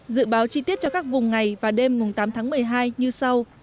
dự báo chi tiết cho các vùng ngày và đêm tám tháng một mươi hai như sau